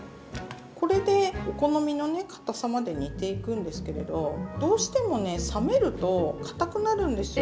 これでお好みのね堅さまで煮ていくんですけれどどうしてもね冷めると堅くなるんですよ。